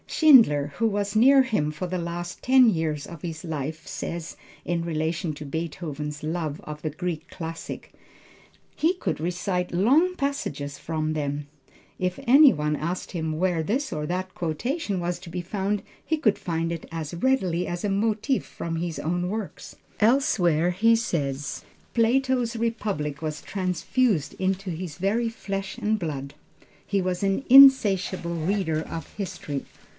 Schindler, who was near him for the last ten years of his life says in relation to Beethoven's love of the Greek classics. "He could recite long passages from them. If any one asked him where this or that quotation was to be found he could find it as readily as a motive from his own works." Elsewhere he says, "Plato's Republic was transfused into his very flesh and blood." He was an insatiable reader of history.